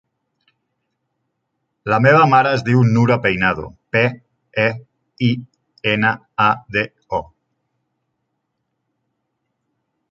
La meva mare es diu Nura Peinado: pe, e, i, ena, a, de, o.